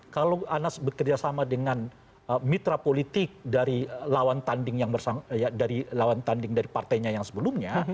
kalau anas bekerja sama dengan mitra politik dari lawan tanding dari partainya yang sebelumnya